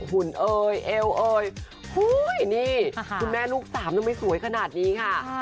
หุ่นเอ่ยเอวเอยนี่คุณแม่ลูกสามยังไม่สวยขนาดนี้ค่ะ